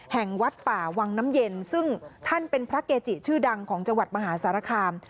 แห่งวัดป่าวังน้ำเย็นซึ่งท่านเป็นพระเกจิชื่อดังของจังหวัดมหาสารคาม